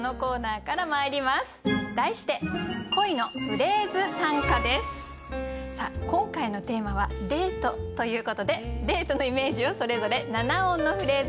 題して今回のテーマは「デート」ということでデートのイメージをそれぞれ７音のフレーズで表します。